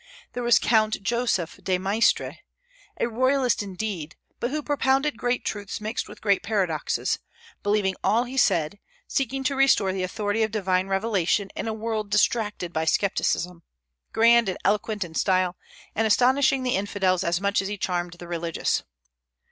There was Count Joseph de Maistre, a royalist indeed, but who propounded great truths mixed with great paradoxes; believing all he said, seeking to restore the authority of divine revelation in a world distracted by scepticism, grand and eloquent in style, and astonishing the infidels as much as he charmed the religious.